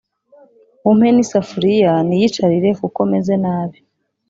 Umpe n'isafuriya niyicarire kuko meze nabi